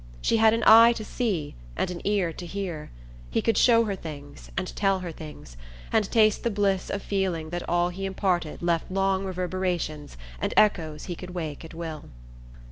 She had an eye to see and an ear to hear: he could show her things and tell her things, and taste the bliss of feeling that all he imparted left long reverberations and echoes he could wake at will.